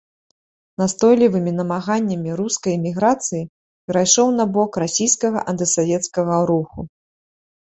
Настойлівымі намаганнямі рускай эміграцыі перайшоў на бок расійскага антысавецкага руху.